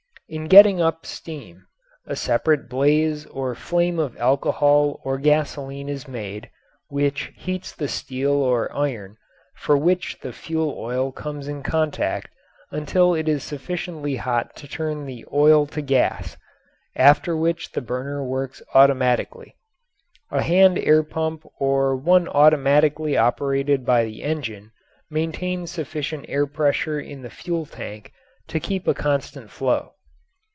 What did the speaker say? In getting up steam a separate blaze or flame of alcohol or gasoline is made, which heats the steel or iron with which the fuel oil comes in contact until it is sufficiently hot to turn the oil to gas, after which the burner works automatically. A hand air pump or one automatically operated by the engine maintains sufficient air pressure in the fuel tank to keep a constant flow.